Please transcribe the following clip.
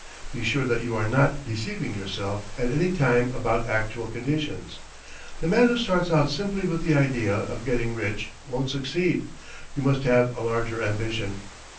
Be sure that you are not deceiving yourself at any time about actual conditions. The man who starts out simply with the idea of getting rich won't succeed; you must have a larger ambition.